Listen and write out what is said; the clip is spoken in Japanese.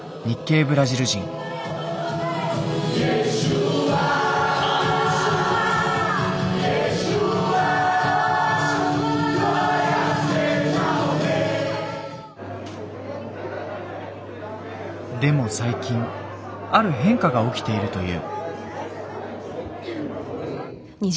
「イエスはイエスは」でも最近ある変化が起きているという。